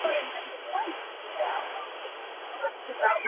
Congoih tum na thiam maw?